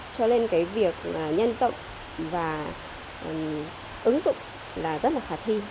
cho nên cái việc nhân rộng và ứng dụng là rất là khả thi